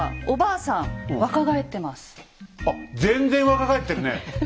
あ全然若返ってるね。